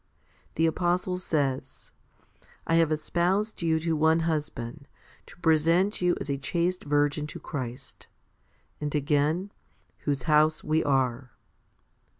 The apostle says, / have espoused you to one husband, to present you as . a chaste virgin to Christ 2 ; and again, Whose house we are.